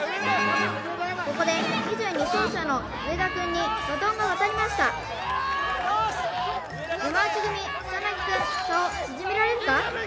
ここで２２走者の植田くんにバトンが渡りました山内組草薙くん差を縮められるか？